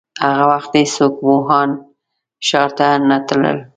هغه وخت هيڅوک ووهان ښار ته نه تلل.